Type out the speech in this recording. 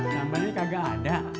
nomornya kagak ada